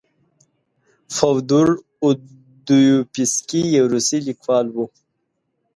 فودور اودویفسکي یو روسي لیکوال و.